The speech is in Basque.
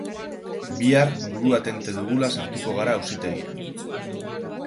Bihar burua tente dugula sartuko gara auzitegian.